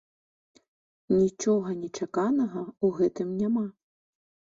Нічога нечаканага ў гэтым няма.